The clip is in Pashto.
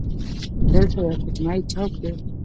دلته یو کوچنی چوک دی.